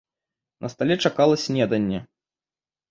На стале чакала снеданне.